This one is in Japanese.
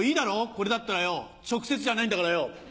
これだったらよ直接じゃないんだからよ」。